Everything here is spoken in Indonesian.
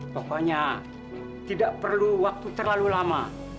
pokoknya tidak perlu waktu terlalu lama